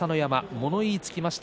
物言いがつきました。